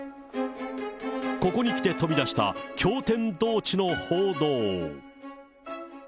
ここにきて飛び出した、驚天動地の報道。